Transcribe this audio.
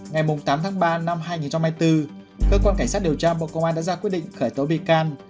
ngày tám tháng ba năm hai nghìn hai mươi bốn cơ quan cảnh sát điều tra bộ công an đã ra quyết định khởi tố bị can